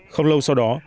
không lâu sau đó